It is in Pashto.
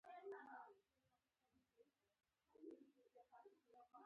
دا غره د واورو پوښلی دی.